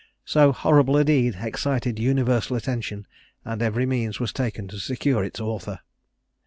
So horrible a deed excited universal attention, and every means was taken to secure its author.